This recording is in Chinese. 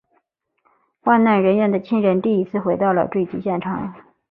罹难人员的亲人第一次回到了坠机现场。